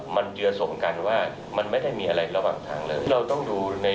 มันเจือสมกันว่ามันไม่ได้มีอะไรระหว่างทางเลย